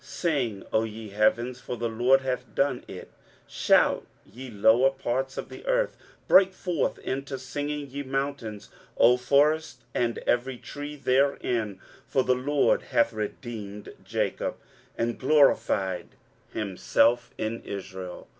23:044:023 Sing, O ye heavens; for the LORD hath done it: shout, ye lower parts of the earth: break forth into singing, ye mountains, O forest, and every tree therein: for the LORD hath redeemed Jacob, and glorified himself in Israel.